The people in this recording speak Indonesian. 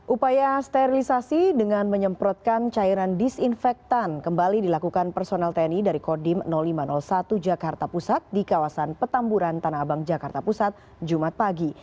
upaya sterilisasi dengan menyemprotkan cairan disinfektan kembali dilakukan personel tni dari kodim lima ratus satu jakarta pusat di kawasan petamburan tanah abang jakarta pusat jumat pagi